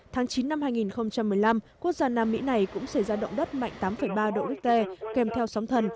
tháng chín năm hai nghìn một mươi năm quốc gia nam mỹ này cũng xảy ra động đất mạnh tám ba độ richter kèm theo sóng thần